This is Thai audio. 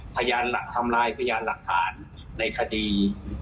พยายามทำลายพยายามหลักฐานในคดี